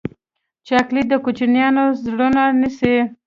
چاکلېټ د کوچنیانو زړونه نیسي.